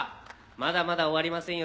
まだまだ終わりませんよ。